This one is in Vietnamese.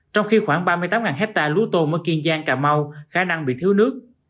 trong khi khoảng ba mươi tám hectare lúa tôm ở kiên giang cà mau khả năng bị thiếu nước